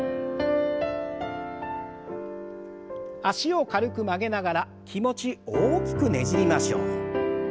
脚を軽く曲げながら気持ち大きくねじりましょう。